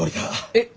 えっ？